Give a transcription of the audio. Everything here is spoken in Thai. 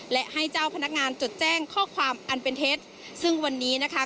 และให้เจ้าพนักงานจดแจ้งข้อความอันเป็นเท็จซึ่งวันนี้นะคะ